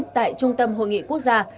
tại trung tâm hội nghị quốc gia